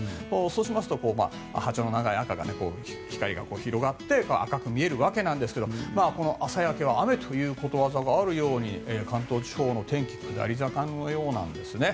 そうしますと波長の長い赤が光が広がって赤く見えるわけなんですが朝焼けは雨ということわざがあるように関東地方の天気は下り坂のようなんですね。